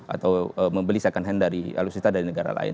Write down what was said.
atau membeli second hand dari alutsista dari negara lain